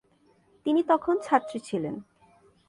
তিনি তখন ছাত্রী ছিলেন।